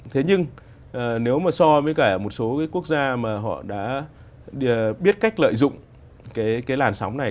thế nhưng nếu mà so với cả một số quốc gia mà họ đã biết cách lợi dụng cái làn sóng này